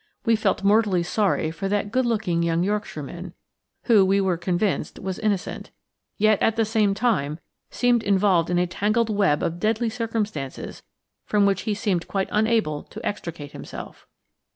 We felt mortally sorry for that good looking young Yorkshireman, who, we were convinced, was innocent, yet at the same time seemed involved in a tangled web of deadly circumstances from which he seemed quite unable to extricate himself.